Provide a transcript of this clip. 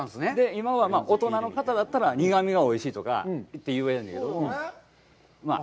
今は、大人の方だったら、苦みがおいしいとかと言えるんだけれども、まあ。